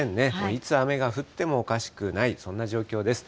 いつ雨が降ってもおかしくない、そんな状況です。